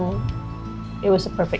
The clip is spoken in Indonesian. hari ini adalah hari yang sempurna